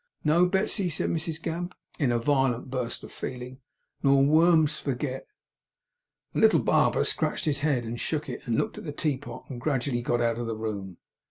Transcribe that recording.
No, Betsey!' said Mrs Gamp, in a violent burst of feeling, 'nor worms forget!' The little barber scratched his head, and shook it, and looked at the teapot, and gradually got out of the room.